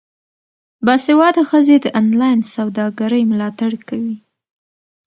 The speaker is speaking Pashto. باسواده ښځې د انلاین سوداګرۍ ملاتړ کوي.